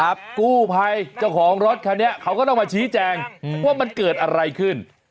กู้ภัยเจ้าของรถคันนี้เขาก็ต้องมาชี้แจงว่ามันเกิดอะไรขึ้น